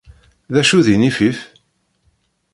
D acu d inifif?